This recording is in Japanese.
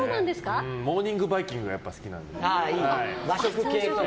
モーニングバイキングが好きなんで。